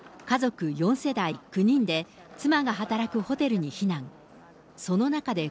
今は家族４世代９人で、妻が働くホテルに避難。